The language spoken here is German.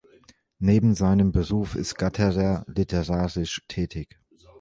Neben seinem Beruf ist Gatterer literarisch tätig.